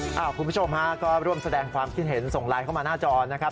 คุณผู้ชมฮะก็ร่วมแสดงความคิดเห็นส่งไลน์เข้ามาหน้าจอนะครับ